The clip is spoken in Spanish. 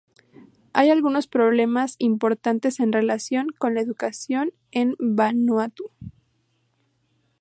Hay algunos problemas importantes en relación con la educación en Vanuatu.